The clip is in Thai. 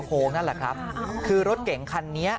โอ้โหนั่นแหละครับคือรถเก๋งคันนี้